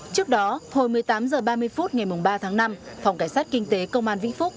trước đó hồi một mươi tám h ba mươi phút ngày ba tháng năm phòng cảnh sát kinh tế công an vĩnh phúc